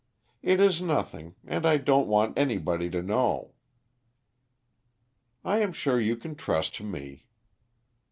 "It is nothing. And I don't want anybody to know." "I am sure you can trust to me."